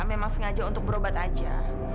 memang sengaja untuk berobat aja